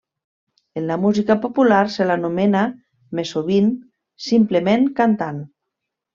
En la música popular se l'anomena, més sovint, simplement cantant.